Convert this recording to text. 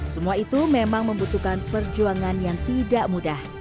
semua itu memang membutuhkan perjuangan yang tidak mudah